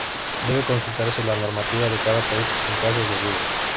Debe consultarse la normativa de cada país en caso de duda.